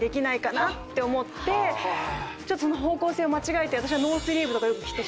その方向性を間違えて。